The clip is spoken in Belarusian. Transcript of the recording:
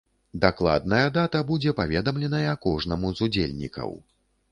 Дакладная дата будзе паведамленая кожнаму з удзельнікаў.